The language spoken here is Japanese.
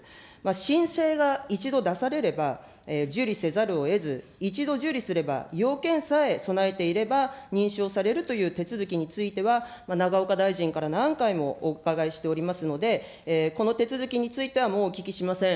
申請が一度出されれば、受理せざるをえず、一度受理すれば、要件さえ備えていれば、認証されるという手続きについては、永岡大臣から何回もお伺いしておりますので、この手続きについては、もうお聞きしません。